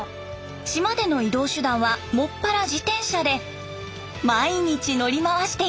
島での移動手段は専ら自転車で毎日乗り回しています。